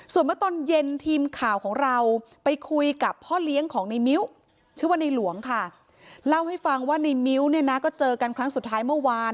ส่วนเมื่อตอนเย็นทีมข่าวของเราไปคุยกับพ่อเลี้ยงของในมิ้วชื่อว่าในหลวงค่ะเล่าให้ฟังว่าในมิ้วเนี่ยนะก็เจอกันครั้งสุดท้ายเมื่อวาน